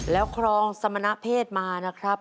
แล้วครองสมณเพศมานะครับ